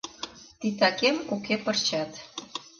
«Титакем уке пырчат